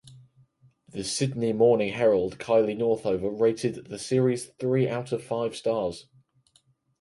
The Sydney Morning Herald Kylie Northover rated the series three out of five stars.